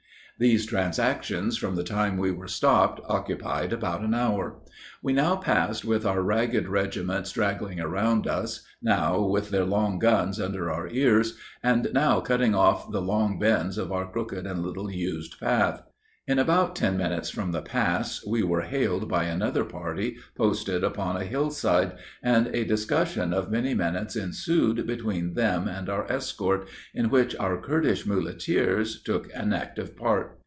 "These transactions, from the time we were stopped, occupied about an hour. We now passed with our ragged regiment straggling around us, now with their long guns under our ears, and now cutting off the long bends of our crooked and little used path. In about ten minutes from the pass, we were hailed by another party, posted upon a hillside, and a discussion of many minutes ensued between them and our escort, in which our Kurdish muleteers took an active part.